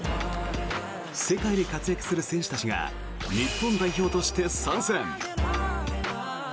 世界で活躍する選手たちが日本代表として参戦！